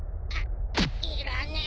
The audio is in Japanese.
いらねえ！